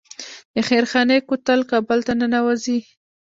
د خیرخانې کوتل کابل ته ننوځي